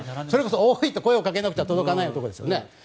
それこそ、おーいと声をかけなくちゃ届かないぐらいのところですね。